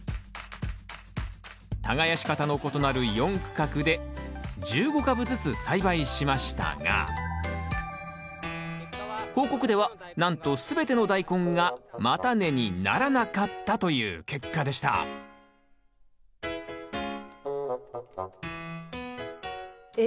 耕し方の異なる４区画で１５株ずつ栽培しましたが報告ではなんとすべてのダイコンが叉根にならなかったという結果でしたえ